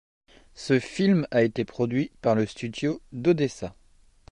Ce film a été produit par le Studio d'Odessa.